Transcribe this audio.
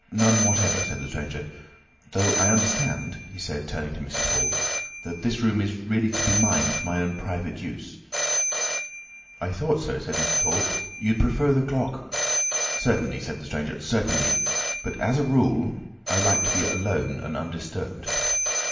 "None whatever," said the stranger. "Though, I understand," he said turning to Mrs. Hall, "that this room is really to be mine for my own private use." "I thought, sir," said Mrs. Hall, "you'd prefer the clock—" "Certainly," said the stranger, "certainly—but, as a rule, I like to be alone and undisturbed.